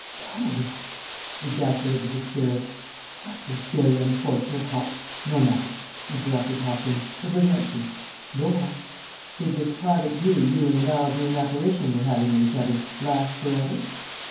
"Jove!" ejaculated the spirit. "That was very unfortunate, Hop " "No matter," interrupted Hopkins, "it was empty. Go on. Did this private view you and the Nile green apparition were having of each other last for ever?"